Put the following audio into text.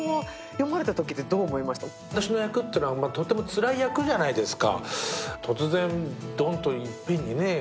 私の役というのは、とてもつらい役じゃないですか。